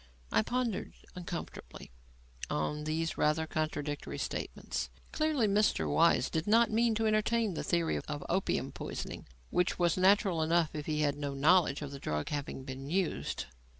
I pondered uncomfortably on these rather contradictory statements. Clearly Mr. Weiss did not mean to entertain the theory of opium poisoning; which was natural enough if he had no knowledge of the drug having been used.